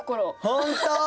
本当？